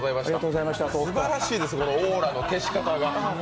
すばらしいです、このオーラの消し方が。